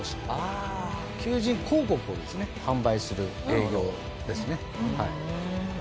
求人広告を販売する営業ですね。ふーん。